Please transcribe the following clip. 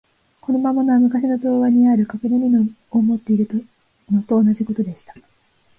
この魔物は、むかしの童話にある、かくれみのを持っているのと同じことでした。